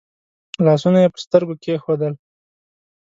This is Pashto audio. لاسونه يې پر سترګو کېښودل.